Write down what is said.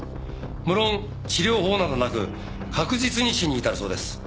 無論治療法などなく確実に死に至るそうです。